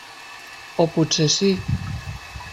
O potser sí.